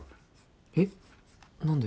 えっ何で？